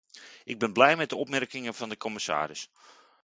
Ik ben blij met de opmerkingen van de commissaris.